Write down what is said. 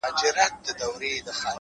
د یخې هوا څپه د تنفس احساس بدلوي؛